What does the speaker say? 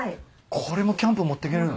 これもキャンプ持ってけるの？